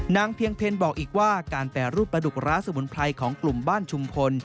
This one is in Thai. เพียงเพลบอกอีกว่าการแปรรูปปลาดุกร้าสมุนไพรของกลุ่มบ้านชุมพล